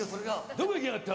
どこ行きやがった。